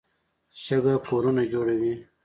شګه کورونه جوړوي.